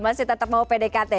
masih tetap mau pdkt